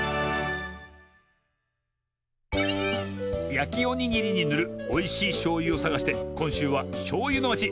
やきおにぎりにぬるおいしいしょうゆをさがしてこんしゅうはしょうゆのまち